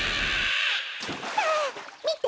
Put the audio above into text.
はあみて！